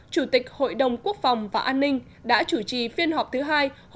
chủ tịch hội đồng quốc phòng và an ninh đã chủ trì phiên họp thứ hai